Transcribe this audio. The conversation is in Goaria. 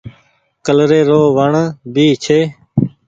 ڪلري رو وڻ ڀي ڇي۔